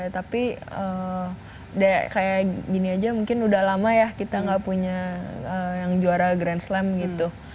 tapi kayak gini aja mungkin udah lama ya kita gak punya yang juara grand slam gitu